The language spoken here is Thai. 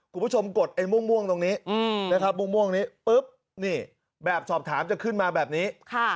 คุณผู้ชมกดไอ้ม่วงตรงนี้แบบสอบถามจะขึ้นมาแบบนี้